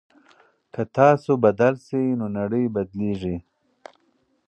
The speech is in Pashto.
که تاسو بدل شئ نو نړۍ بدليږي.